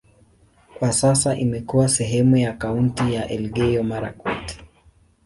Kwa sasa imekuwa sehemu ya kaunti ya Elgeyo-Marakwet.